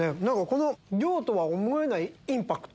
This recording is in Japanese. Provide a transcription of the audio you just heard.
この量とは思えないインパクト。